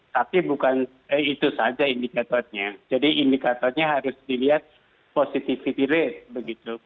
tapi bukan itu saja indikatornya jadi indikatornya harus dilihat positivity rate begitu